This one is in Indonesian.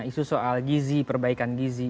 isu soal gizi perbaikan gizi